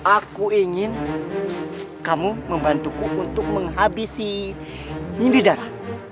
aku ingin kamu membantuku untuk menghabisi indidara